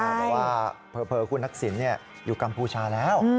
เพราะว่าเพอคุณทักษิณเนี่ยอยู่กัมพูชาแล้ว